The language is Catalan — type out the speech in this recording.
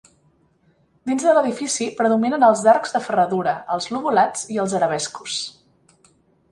Dins de l'edifici predominen els arcs de ferradura, els lobulats i els arabescos.